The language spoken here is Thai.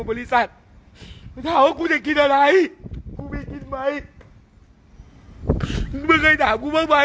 บริษัทมึงถามว่ากูจะกินอะไรกูมีกินไหมมึงเคยถามกูบ้างไหม